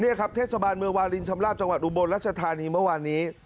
นี่ครับเทศบาลเมืองวาลินชำลาบจังหวัดอุบลรัชธานีเมื่อวานนี้